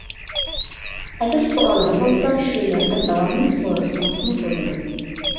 ئەگەر سوئالىڭىز بولسا شۇ يەردە داۋاملىق سورىسىڭىزمۇ بولىدۇ.